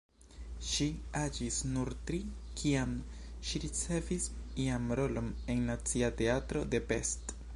Ŝi aĝis nur tri, kiam ŝi ricevis jam rolon en Nacia Teatro de Pest.